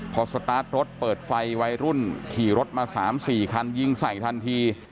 พอสตาร์ทรถเปิดไฟวัยรุ่นขี่รถมา๓๔คันยิงใส่ทันที